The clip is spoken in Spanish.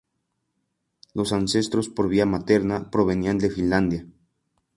Los ancestros por vía materna provenían de Finlandia.